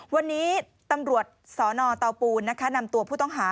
วันนี้ตำรวจสนเตาปูนนะคะนำตัวผู้ต้องหา